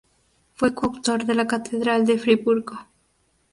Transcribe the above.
Fue coadjutor de la catedral de Friburgo.